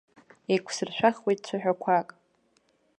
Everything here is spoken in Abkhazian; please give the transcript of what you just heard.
Еиқәсыршәахуеит цәаҳәақәак.